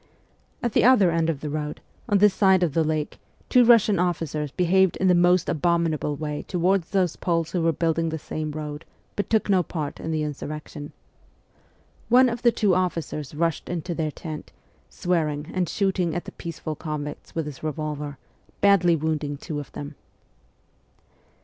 At the other end of the road, on this side of the lake, two Kussian officers behaved in the most abomin able way towards those Poles who were building the same road but took no part in the insurrection. One of the two officers rushed into their tent, swearing and shooting at the peaceful convicts with his revolver, badly wounding two of them.